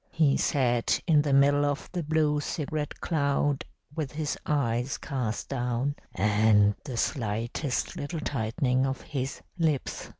He sat in the middle of the blue cigarette cloud with his eyes cast down, and the slightest little tightening of his lips.